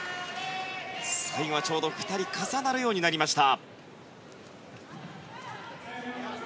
最後はちょうど２人重なるようになりました。